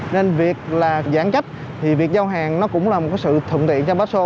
nên việc là giãn cách thì việc giao hàng nó cũng là một sự thượng tiện cho bác sô